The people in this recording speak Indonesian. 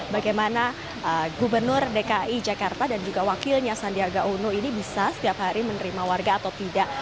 bagaimana gubernur dki jakarta dan juga wakilnya sandiaga uno ini bisa setiap hari menerima warga atau tidak